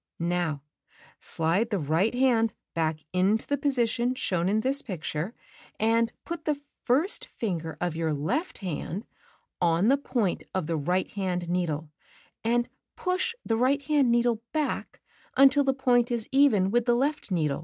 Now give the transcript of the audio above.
Cut 3 Now slide the right hand back into the position shown in this picture, and put the first finger of your left hand on the point of the right hand needle, and push the right hand needle back until the point is even with the left needle.